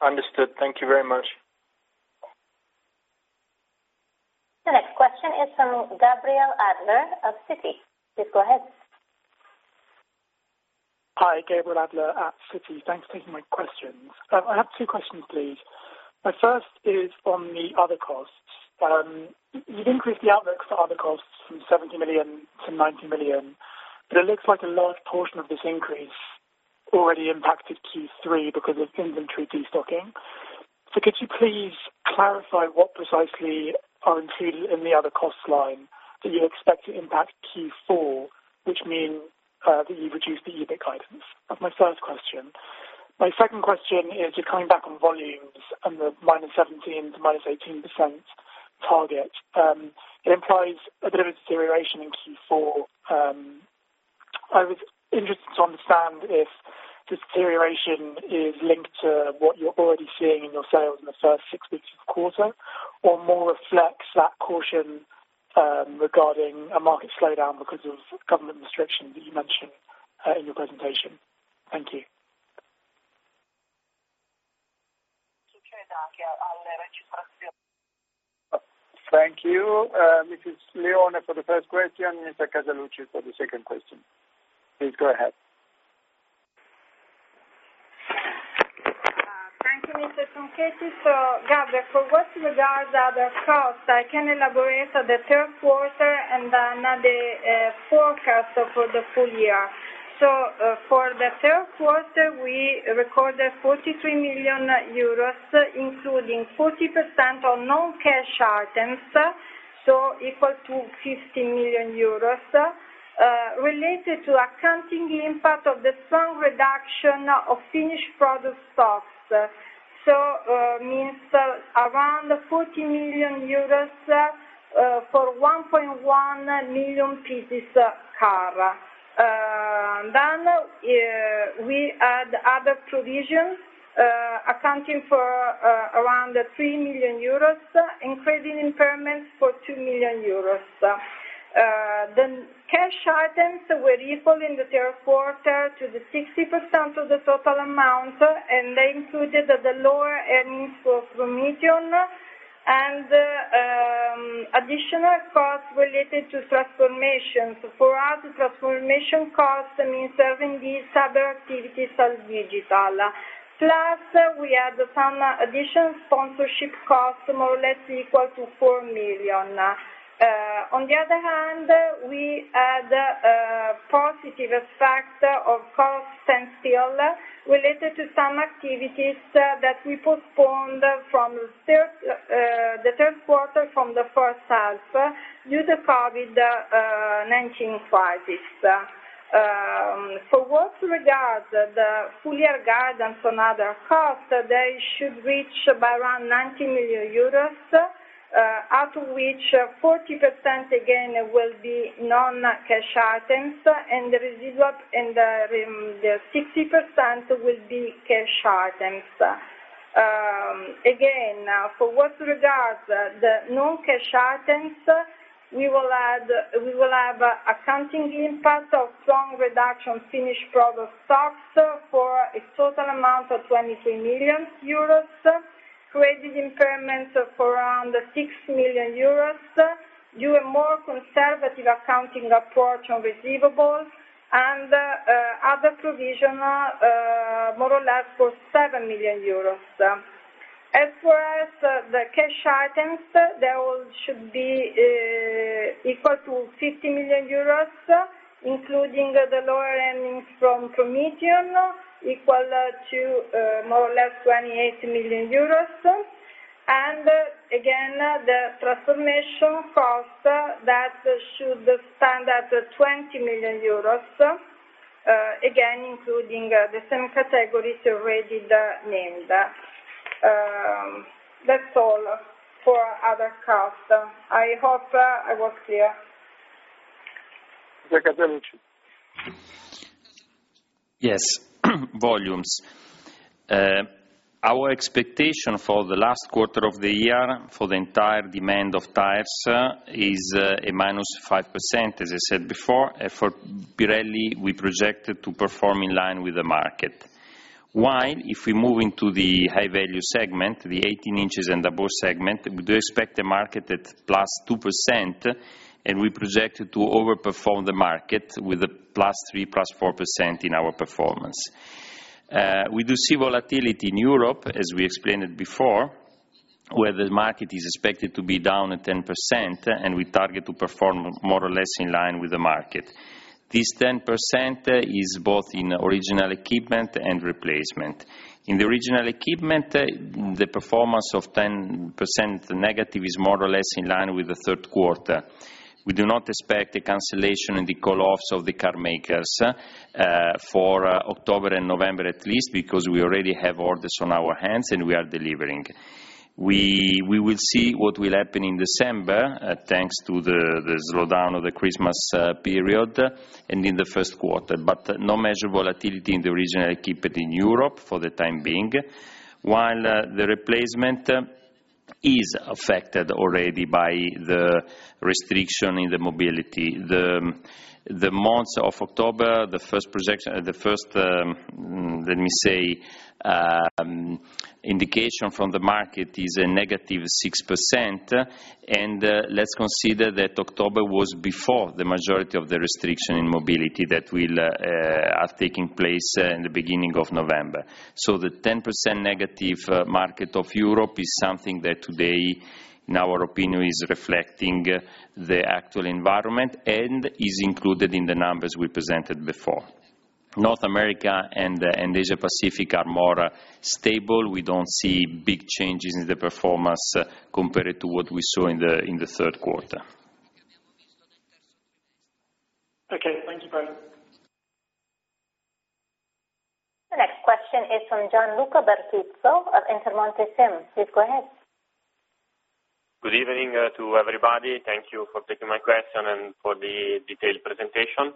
Understood. Thank you very much. The next question is from Gabriel Adler of Citi. Please go ahead. Hi, Gabriel Adler at Citi. Thanks for taking my questions. I have two questions, please. My first is on the other costs. You've increased the outlook for other costs from 70 million to 90 million, but it looks like a large portion of this increase already impacted Q3 because of inventory destocking. So could you please clarify what precisely are included in the other cost line that you expect to impact Q4, which mean that you've reduced the EBIT guidance? That's my first question. My second question is, you're coming back on volumes and the -17% to -18% target. It implies a bit of a deterioration in Q4. I was interested to understand if this deterioration is linked to what you're already seeing in your sales in the first six weeks of the quarter, or more reflects that caution regarding a market slowdown because of government restrictions that you mentioned in your presentation? Thank you. Thank you, Mrs. Leone, for the first question, Mr. Casaluci, for the second question. Please go ahead. Thank you, Mr. Tronchetti. So, Gabriel, for what regards other costs, I can elaborate on the third quarter and not the forecast for the full year. So, for the third quarter, we recorded 43 million euros, including 40% on non-cash items, so equal to 50 million euros related to accounting impact of the strong reduction of finished product stocks. So, means around 40 million euros for 1.1 million pieces Car. Then, we add other provisions accounting for around 3 million euros, including impairments for 2 million euros. The cash items were equal in the third quarter to the 60% of the total amount, and they included the lower earnings for Prometeon and additional costs related to transformations. For us, transformation cost means serving these other activities as digital. Plus, we had some additional sponsorship costs, more or less equal to 4 million. On the other hand, we had positive effect of cost and still related to some activities that we postponed from the third quarter from the first half due to COVID-19 crisis. For what regards the full year guidance on other costs, they should reach by around 90 million euros, out of which 40%, again, will be non-cash items, and the residual, the 60% will be cash items. Again, for what regards the non-cash items, we will have accounting impact of strong reduction finished product stocks for a total amount of 23 million euros, credit impairments of around 6 million euros, due a more conservative accounting approach on receivables, and, other provision, more or less for 7 million euros. As far as the cash items, there all should be equal to 50 million euros, including the lower earnings from Prometeon, equal to, more or less 28 million euros. And again, the transformation cost that should stand at 20 million euros, again, including, the same categories already the named. That's all for other costs. I hope I was clear. Yes, volumes. Our expectation for the last quarter of the year, for the entire demand of tires, is a -5%, as I said before, and for Pirelli, we projected to perform in line with the market. While if we move into the High Value segment, the 18 inches and above segment, we do expect the market at +2%, and we projected to overperform the market with a +3% to +4% in our performance. We do see volatility in Europe, as we explained it before, where the market is expected to be down at 10%, and we target to perform more or less in line with the market. This 10% is both in Original Equipment and Replacement. In the Original Equipment, the performance of 10% negative is more or less in line with the third quarter. We do not expect a cancellation in the call offs of the Car makers, for October and November, at least, because we already have orders on our hands, and we are delivering. We, we will see what will happen in December, thanks to the slowdown of the Christmas period, and in the first quarter, but no measure volatility in the Original Equipment in Europe for the time being. While the Replacement is affected already by the restriction in the mobility. The months of October, the first, let me say, indication from the market is a negative 6%, and, let's consider that October was before the majority of the restriction in mobility that will, are taking place, in the beginning of November. So the 10% negative market of Europe is something that today, in our opinion, is reflecting the actual environment and is included in the numbers we presented before. North America and Asia Pacific are more stable. We don't see big changes in the performance compared to what we saw in the third quarter. Okay, thank you very much. The next question is from Gianluca Bertuzzo of Intermonte SIM. Please go ahead. Good evening to everybody. Thank you for taking my question and for the detailed presentation.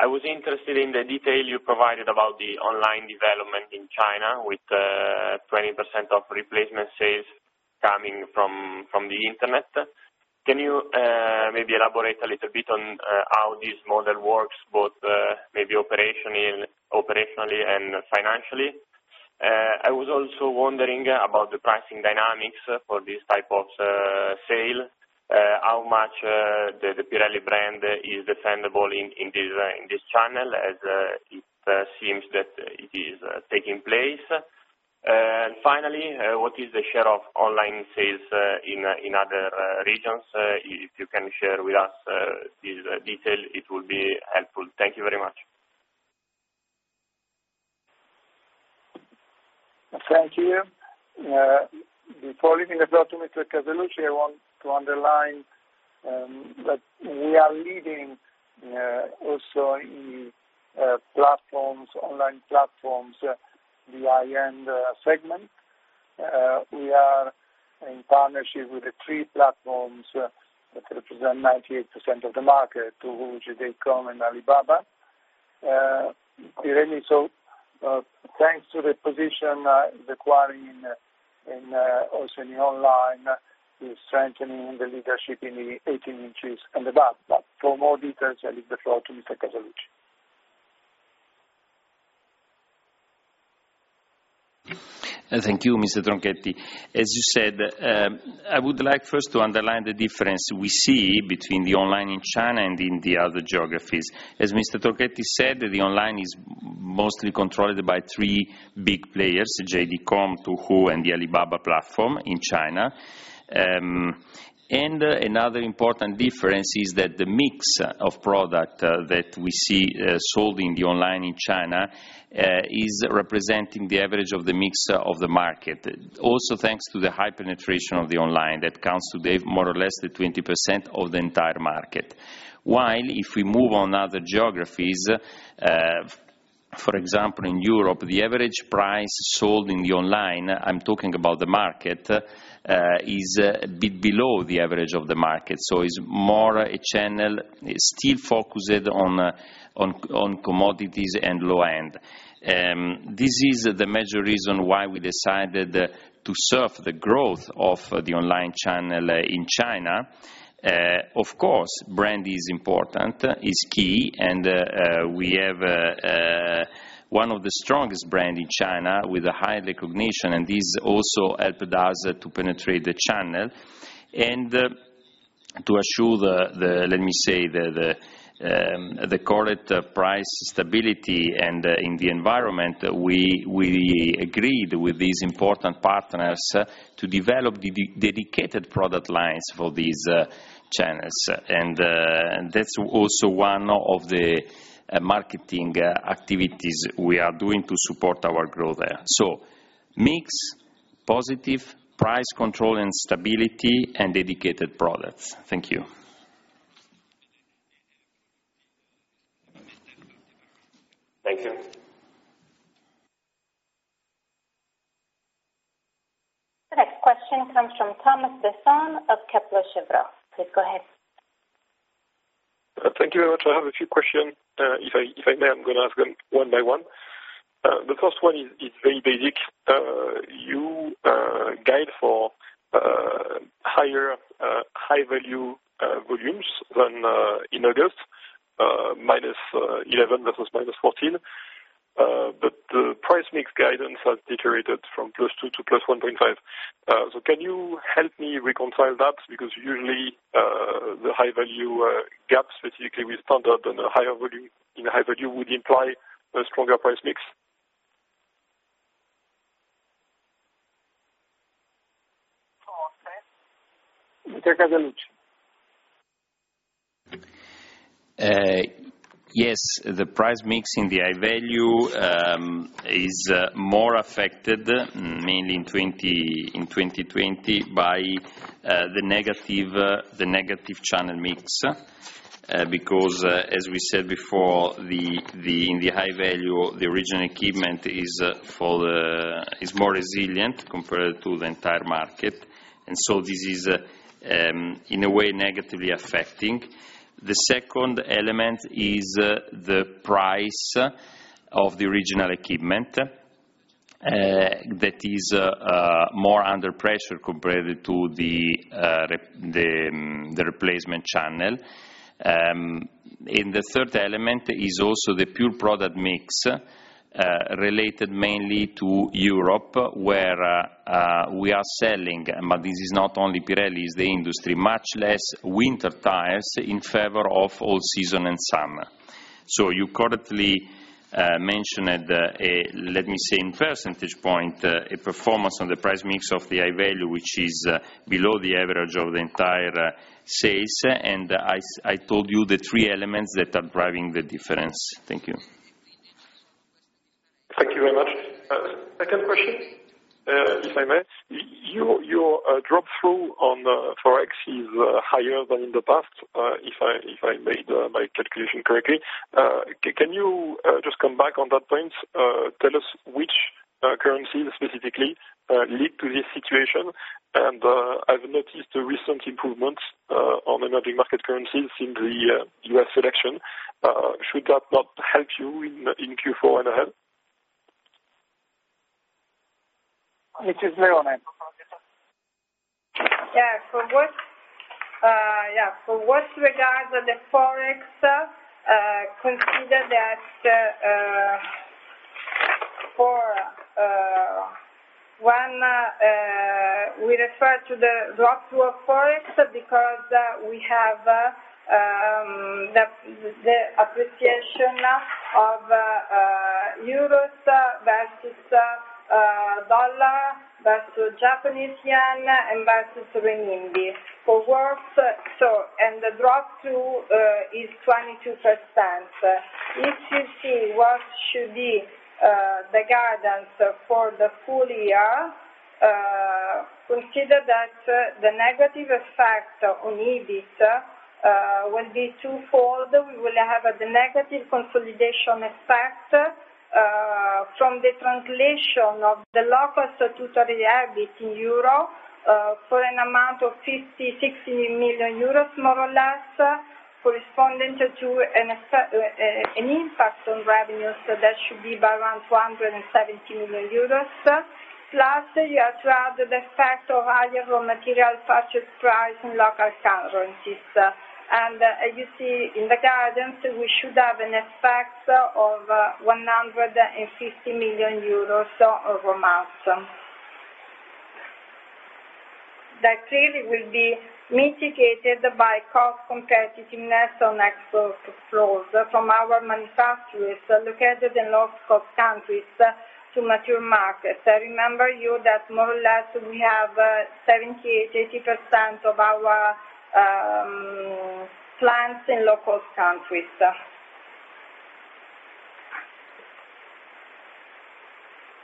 I was interested in the detail you provided about the online development in China with 20% of Replacement sales coming from the internet. Can you maybe elaborate a little bit on how this model works, both maybe operationally and financially? I was also wondering about the pricing dynamics for this type of sale. How much the Pirelli brand is defendable in this channel, as it seems that it is taking place? And finally, what is the share of online sales in other regions? If you can share with us these details, it would be helpful. Thank you very much. Thank you. Before leaving the floor to Mr. Casaluci, I want to underline that we are leading also in platforms, online platforms, the high-end segment. We are in partnership with the three platforms that represent 98% of the market, Tuhu, JD.com, and Alibaba. Pirelli, so, thanks to the position acquiring in also in the online, is strengthening the leadership in the 18 inches and above. But for more details, I leave the floor to Mr. Casaluci. Thank you, Mr. Tronchetti. As you said, I would like first to underline the difference we see between the online in China and in the other geographies. As Mr. Tronchetti said, the online is mostly controlled by three big players, JD.com, Tuhu, and the Alibaba platform in China. And another important difference is that the mix of product, that we see, sold in the online in China, is representing the average of the mix, of the market. Also, thanks to the high penetration of the online, that counts to the more or less the 20% of the entire market. While if we move on other geographies, for example, in Europe, the average price sold in the online, I'm talking about the market, is a bit below the average of the market, so it's more a channel still focused on commodities and low end. This is the major reason why we decided to surf the growth of the online channel in China. Of course, brand is important, is key, and we have one of the strongest brand in China with a high recognition, and this also helped us to penetrate the channel. To assure the, let me say, the correct price stability and in the environment that we agreed with these important partners to develop dedicated product lines for these channels. And, and that's also one of the marketing activities we are doing to support our growth there. So mix, positive, price control, and stability, and dedicated products. Thank you. Thank you. The next question comes from Thomas Besson of Kepler Cheuvreux. Please go ahead. Thank you very much. I have a few questions. If I may, I'm gonna ask them one by one. The first one is very basic. Your guidance for higher High Value volumes than in August, -11 versus -14. But the price mix guidance has deteriorated from +2 to +1.5. So can you help me reconcile that? Because usually, the High Value gap, specifically with Standard and a higher volume in High Value, would imply a stronger price mix. Mr. Casaluci. Yes, the price mix in the High Value is more affected, mainly in 2020, by the negative channel mix. Because, as we said before, in the High Value, the Original Equipment is more resilient compared to the entire market, and so this is, in a way, negatively affecting. The second element is the price of the Original Equipment that is more under pressure compared to the Replacement channel. And the third element is also the pure product mix related mainly to Europe, where we are selling, but this is not only Pirelli, it's the industry, much less winter tires in favor of all season and summer. So you correctly mentioned at the, let me say in percentage point, a performance on the price mix of the High Value, which is below the average of the entire sales. I told you the three elements that are driving the difference. Thank you. Thank you very much. Second question, if I may. Your drop through on Forex is higher than in the past, if I made my calculation correctly. Can you just come back on that point? Tell us which currencies specifically lead to this situation, and I've noticed a recent improvement on emerging market currencies in the U.S. election. Should that not help you in Q4 and ahead? It is Provera. Yeah, for what regards of the Forex, consider that, for when we refer to the drop through of Forex, because we have the appreciation of euros versus dollar, versus Japanese yen, and versus renminbi. For worse, so, and the drop through is 22%. If you see what should be the guidance for the full year, consider that the negative effect on EBIT will be twofold. We will have the negative consolidation effect from the translation of the local statutory EBIT in euro for an amount of 50-60 million euros, more or less, corresponding to an effect, an impact on revenues. So that should be by around 170 million euros. Plus, you have to add the effect of higher raw material purchase price in local currencies. As you see in the guidance, we should have an effect of 150 million euros over months. That clearly will be mitigated by cost competitiveness on export flows from our manufacturers located in low-cost countries to mature markets. I remember you that more or less, we have, 70, 80% of our plants in low-cost countries.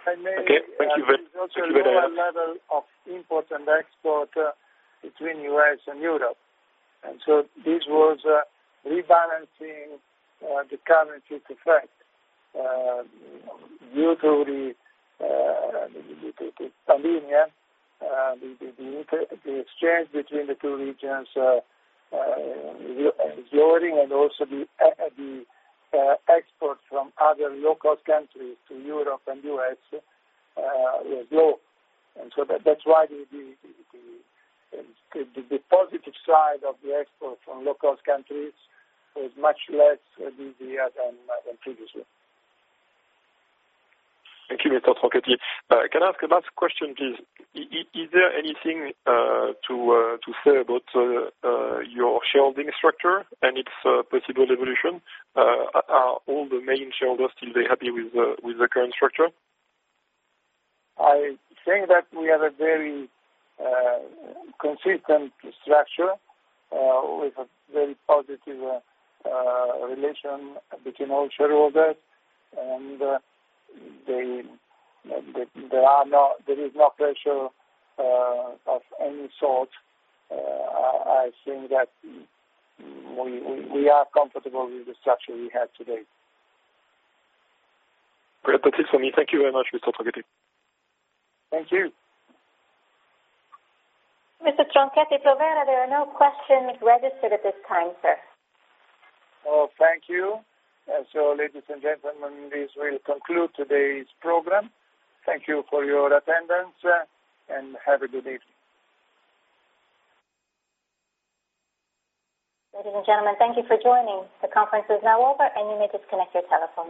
Okay. Thank you very- Thank you. Level of import and export between U.S. and Europe, and so this was rebalancing the currency effect due to the pandemic, the exchange between the two regions lowering and also the export from other low-cost countries to Europe and U.S. is low. And so that's why the positive side of the export from low-cost countries was much less this year than previously. Thank you, Mr. Tronchetti. Can I ask a last question, please? Is there anything to say about your shareholding structure and its possible evolution? Are all the main shareholders still happy with the current structure? I think that we have a very consistent structure with a very positive relation between all shareholders, and there is no pressure of any sort. I think that we are comfortable with the structure we have today. Thank you very much, Mr. Tronchetti. Thank you. Mr. Tronchetti Provera, there are no questions registered at this time, sir. Oh, thank you. And so ladies and gentlemen, this will conclude today's program. Thank you for your attendance, and have a good day. Ladies and gentlemen, thank you for joining. The conference is now over, and you may disconnect your telephones.